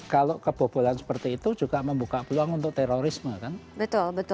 kalau kebobolan seperti itu juga membuka peluang untuk terorisme kan